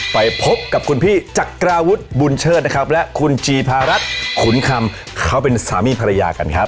ไปพบกับคุณพี่จักราวุฒิบุญเชิดนะครับและคุณจีภารัฐขุนคำเขาเป็นสามีภรรยากันครับ